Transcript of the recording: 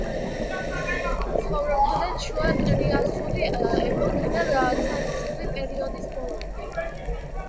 ცხოვრობდნენ შუა ტრიასული ეპოქიდან ცარცული პერიოდის ბოლომდე.